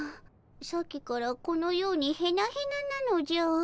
さっきからこのようにヘナヘナなのじゃ。